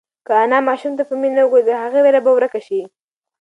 که انا ماشوم ته په مینه وگوري، د هغه وېره به ورکه شي.